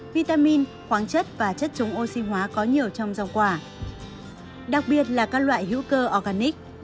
vitamin khoáng chất và chất chống oxy hóa có nhiều trong rau quả đặc biệt là các loại hữu cơ organic